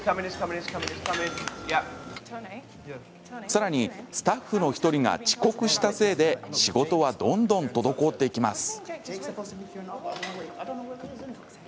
さらに、スタッフの１人が遅刻したせいで仕事はどんどん滞っていきます。